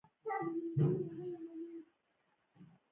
یو انسان په بل انسان بهتر والی نه لري.